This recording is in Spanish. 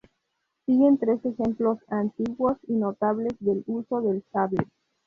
Siguen tres ejemplos antiguos y notables del uso del sable.